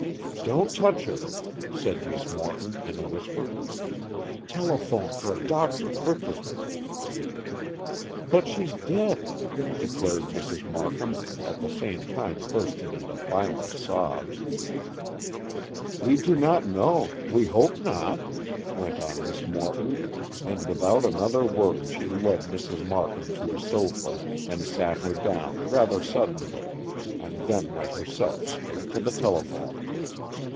"Don't touch her," said Miss Morton, in a whisper. "Telephone for a doctor quickly." "But she's dead," declared Mrs. Markham, at the same time bursting into violent sobs. "We do not know; we hope not," went on Miss Morton, and without another word she led Mrs. Markham to a sofa, and sat her down rather suddenly, and then went herself straight to the telephone.